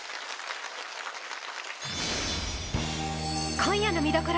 今夜の見どころ。